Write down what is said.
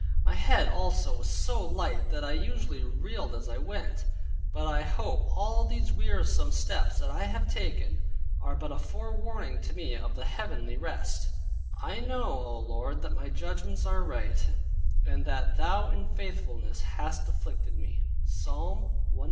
My head also was so light that I usually reeled as I went; but I hope all these wearisome steps that I have taken, are but a forewarning to me of the heavenly rest: "I know, O Lord, that thy judgments are right, and that thou in faithfulness hast afflicted me" (Psalm 119.